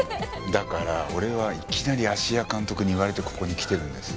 だから俺はいきなり芦屋監督に言われてここに来てるんです。